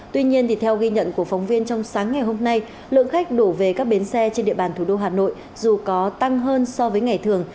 tuy nhiên theo ghi nhận của phóng viên trong sáng ngày hôm nay lượng khách đổ về các bến xe trên địa bàn thủ đô hà nội dù có tăng hơn so với ngày thường